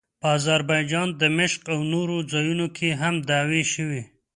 په اذربایجان، دمشق او نورو ځایونو کې هم دعوې شوې.